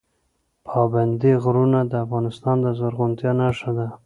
پابندی غرونه د افغانستان د زرغونتیا نښه ده.